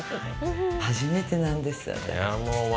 初めてなんです、私。